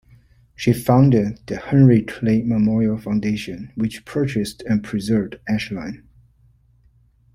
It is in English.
She founded the Henry Clay Memorial Foundation, which purchased and preserved Ashland.